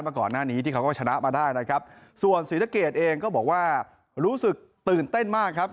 ก่อนหน้านี้ที่เขาก็ชนะมาได้นะครับส่วนศรีสะเกดเองก็บอกว่ารู้สึกตื่นเต้นมากครับ